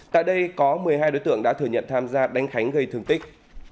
tại đây có một mươi hai đối tượng đã thừa nhận tham gia đánh khánh gây thương tích